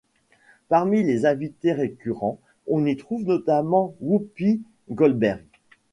Parmi les invités récurrents, on y trouve notamment Whoopi Goldberg.